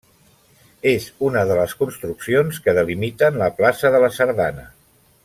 És una de les construccions que delimiten la plaça de la Sardana.